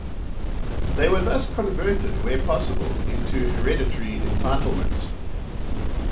They were thus converted where possible into hereditary entitlements.